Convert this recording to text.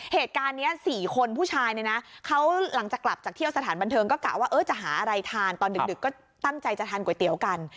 เหตุการณ์นี้๔คนผู้ชายเนี่ยนะเขาหลังจากกลับจากเที่ยวสถานบันเทิงก็กะว่าจะหาอะไรทานตอนดึกก็ตั้งใจจะทานก๋วยเตี๋ยวกัน